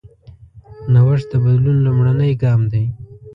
نوښت د بدلون لومړنی ګام دی.